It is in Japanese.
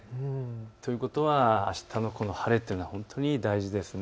ということはあしたの晴れというのは本当に大事ですね。